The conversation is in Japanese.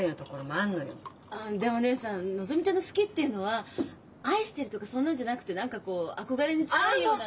あっでも義姉さんのぞみちゃんの「好き」っていうのは「愛してる」とかそんなんじゃなくて何かこう憧れに近いような。